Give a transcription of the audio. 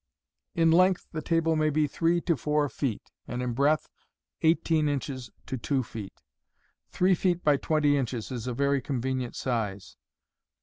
In length the table may be three to four feet, and in breadth eighteen inches to two feet. Three feef by twenty inches is a very convenient size.